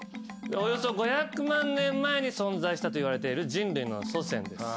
およそ５００万年前に存在したといわれている人類の祖先です。